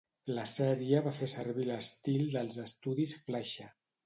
La sèrie va fer servir l'estil dels estudis Fleischer.